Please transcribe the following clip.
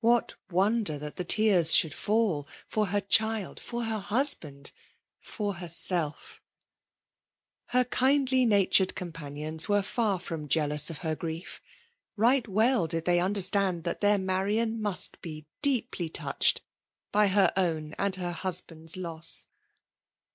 What wonder that her tears should fall, — ^for her child — for her husband — ^for herself ! Her kindly natured companions were faat from jealous of her grief. Right well did they understand that their Marian must be deeply touched by her own and her husband's loss.